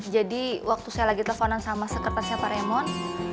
jadi waktu saya lagi teleponan sama sekretasnya pak raymond